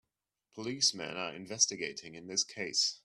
Policemen are investigating in this case.